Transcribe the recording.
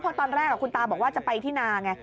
เพราะตอนแรกคุณตาบอกว่าจะไปที่นาไง